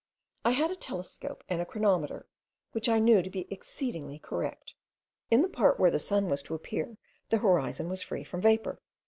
I had a telescope and a chronometer, which I knew to be exceedingly correct. In the part where the sun was to appear the horizon was free from vapour.